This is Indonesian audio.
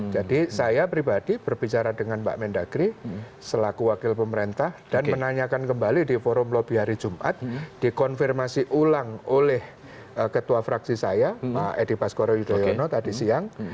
jadi saya pribadi berbicara dengan mbak mendagri selaku wakil pemerintah dan menanyakan kembali di forum lobby hari jumat dikonfirmasi ulang oleh ketua fraksi saya mbak edi paskoro yudhoyono tadi siang